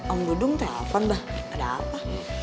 om dudung telpon mba ada apa